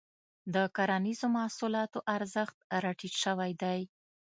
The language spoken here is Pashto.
د کرنیزو محصولاتو ارزښت راټيټ شوی دی.